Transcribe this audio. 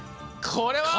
これは。